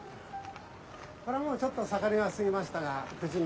これはもうちょっと盛りは過ぎましたが藤の。